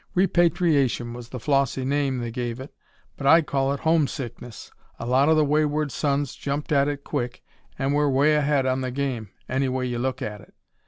'Repatriation' was the flossy name they gave it, but I call it homesickness. A lot of the wayward sons jumped at it quick, and we're 'way ahead on the game, any way you look at it.